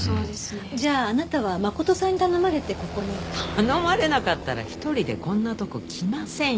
じゃああなたは真琴さんに頼まれてここに？頼まれなかったら１人でこんなとこ来ませんよ。